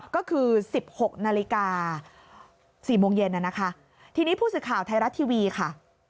ก็คือ๑๖นาฬิกา๔โมงเย็นน่ะนะคะทีนี้ผู้สื่อข่าวไทยรัฐทีวีค่ะ